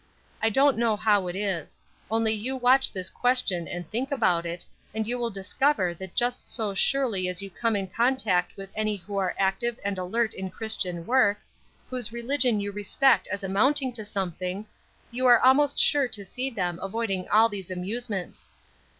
I don't know how it is; only you watch this question and think about it, and you will discover that just so surely as you come in contact with any who are active and alert in Christian work, whose religion you respect as amounting to something, you are almost sure to see them avoiding all these amusements.